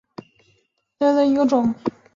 痢止蒿为唇形科筋骨草属下的一个种。